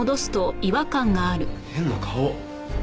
変な顔！